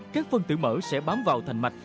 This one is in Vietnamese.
các phân tử mỡ sẽ bám vào thành mạch